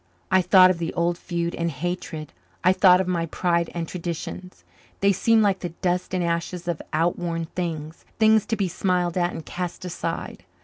I thought of the old feud and hatred; I thought of my pride and traditions. They seemed like the dust and ashes of outworn things things to be smiled at and cast aside.